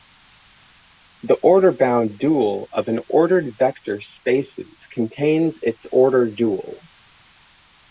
The order bound dual of an ordered vector spaces contains its order dual.